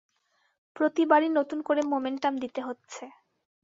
প্রতিবারই নতুন করে মোমেন্টাম দিতে হচ্ছে।